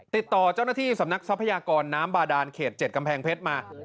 ติดต่อเจ้าหน้าที่สำนักทรัพยากรน้ำบาดานเขต๗กำแพงเพชรมา